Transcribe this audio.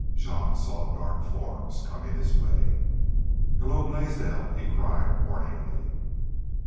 Jean saw dark forms coming his way. "Hello, Blaisdell!" he called, warningly.